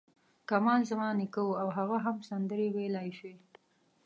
کمال زما نیکه و او هغه هم سندرې ویلای شوې.